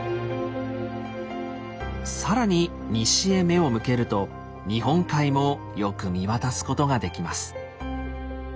更に西へ目を向けると日本海もよく見渡すことができます。